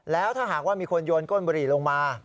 แล้วถ้าหากว่ามีคนโยนก้นบุหรี่ลงมา